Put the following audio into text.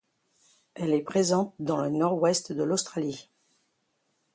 Elle est présente dans le nord-ouest de l'Australie.